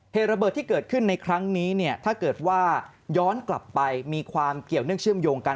เหตุระเบิดที่เกิดขึ้นในครั้งนี้เนี่ยถ้าเกิดว่าย้อนกลับไปมีความเกี่ยวเนื่องเชื่อมโยงกัน